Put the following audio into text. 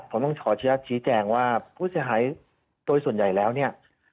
ผมต้องขอแชร์ชี้แจงว่าผู้เสียหายตัวที่ส่วนใหญ่แล้วเนี่ย